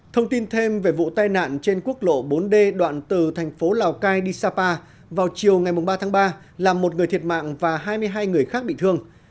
thông tin thêm về vụ tai nạn trên quốc lộ bốn d đoạn từ thành phố lào cai đi sapa vào chiều ngày ba tháng ba làm một người thiệt mạng và hai mươi hai người khác bị thương